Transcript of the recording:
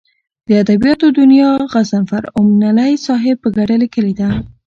د ادبیاتو دونیا غضنفر اومنلی صاحب په کډه لیکلې ده.